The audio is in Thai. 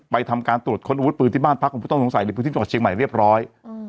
ไปทำการตรวจค้นอุดปืนที่บ้านพรรคผมไม่ต้องสงสัยหรือที่จังหาเชียงใหม่เรียบร้อย